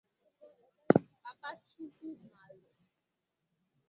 Papa Chukwumalụ